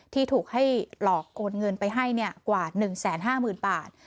ที่ถูกให้หลอกโอนเงินไปให้กว่า๑๕๐๐๐บาท